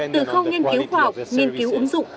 từ khâu nghiên cứu khoa học nghiên cứu ứng dụng